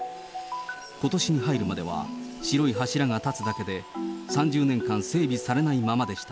ことしに入るまでは、白い柱が立つだけで、３０年間、整備されないままでした。